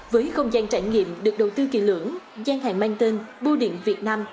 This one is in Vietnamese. với không gian trải nghiệm được đầu tư kỳ lưỡng gian hàng mang tên bu điện việt nam